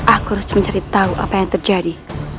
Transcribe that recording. aku harus mencari tahu apa yang terjadi